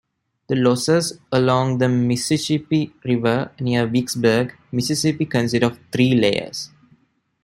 The loess along the Mississippi River near Vicksburg, Mississippi, consist of three layers.